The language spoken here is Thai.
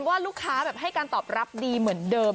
ว่าลูกค้าแบบให้การตอบรับดีเหมือนเดิม